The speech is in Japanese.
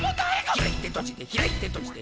「ひらいてとじてひらいてとじて」